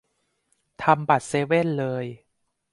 ทำบัตรเซเว่นเลย